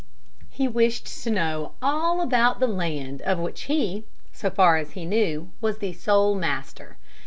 He wished to know all about the land of which he, so far as he knew, was the sole master.